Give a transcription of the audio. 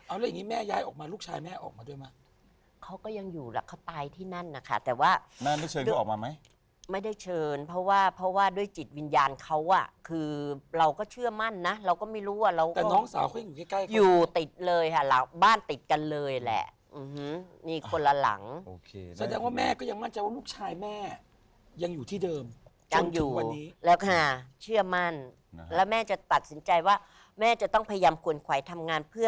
เอาละอย่างงี้แม่ย้ายออกมาลูกชายแม่ออกมาด้วยมั้ยเขาก็ยังอยู่ละเขาตายที่นั่นนะคะแต่ว่าแม่นึกเชิญเขาออกมาไหมไม่ได้เชิญเพราะว่าเพราะว่าด้วยจิตวิญญาณเขาอ่ะคือเราก็เชื่อมั่นนะเราก็ไม่รู้ว่าเราก็น้องสาวเขายังอยู่ใกล้อยู่ติดเลยค่ะหลังบ้านติดกันเลยแหละมีคนละหลังแสดงว่าแม่ก็ยังมั่นใจว่าล